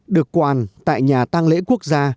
được quàn tại nhà tàng lễ quốc gia